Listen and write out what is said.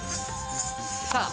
さあ